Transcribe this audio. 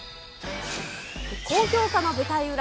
高評価の舞台裏